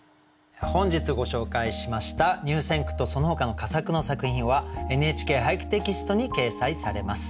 本日ご紹介しました入選句とそのほかの佳作の作品は「ＮＨＫ俳句」テキストに掲載されます。